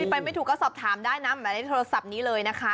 ไปไม่ถูกก็สอบถามได้นะหมายเลขโทรศัพท์นี้เลยนะคะ